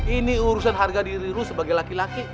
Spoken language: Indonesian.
ini urusan harga diri ru sebagai laki laki